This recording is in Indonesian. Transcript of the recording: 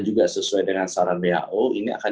juga sesuai dengan saran who ini akan